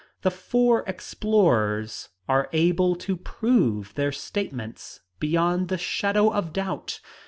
The four explorers are able to prove their statements beyond the shadow of doubt.